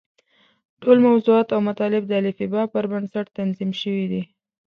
ټول موضوعات او مطالب د الفباء پر بنسټ تنظیم شوي دي.